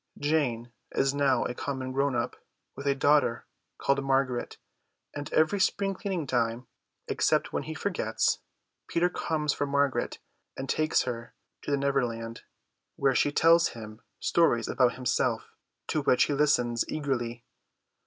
Jane is now a common grown up, with a daughter called Margaret; and every spring cleaning time, except when he forgets, Peter comes for Margaret and takes her to the Neverland, where she tells him stories about himself, to which he listens eagerly.